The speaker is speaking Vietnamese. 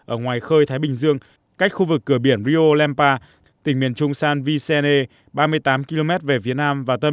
ở ngoài khơi thái bình dương cách khu vực cửa biển rio olimpa